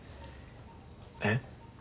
えっ？